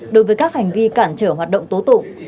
đối với các hành vi cản trở hoạt động tố tụng